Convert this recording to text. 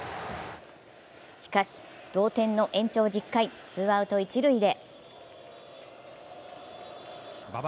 しかし、同点の延長１０回、ツーアウト、一塁で。